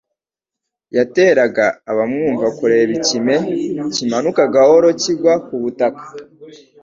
yateraga abamwumva kureba ikime kimanuka gahoro kigwa ku butaka,